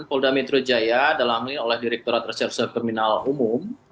polda metro jaya dalam lirik oleh direkturat reservasi kriminal umum